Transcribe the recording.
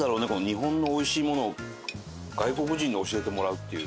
日本のおいしいものを外国人に教えてもらうっていう。